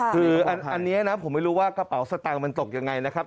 คืออันนี้นะผมไม่รู้ว่ากระเป๋าสตางค์มันตกยังไงนะครับ